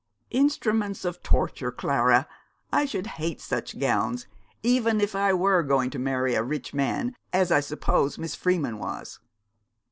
'Instruments of torture, Clara. I should hate such gowns, even if I were going to marry a rich man, as I suppose Miss Freeman was.'